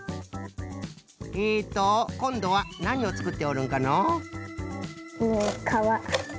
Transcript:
えっとこんどはなにをつくっておるんかの？かわ。